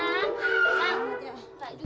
nih orang mau diapain